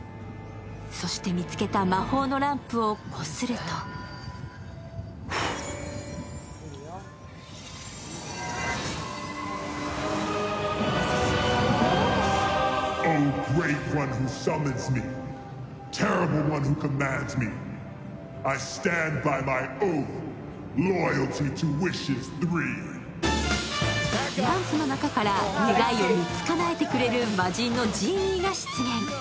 そして見つけた魔法のランプをこするとランプの中から願いを３つかなえてくれる魔人のジーニーが出現。